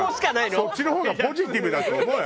そっちの方がポジティブだと思うよ